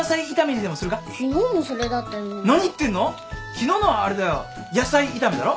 昨日のはあれだよ野菜炒めだろ。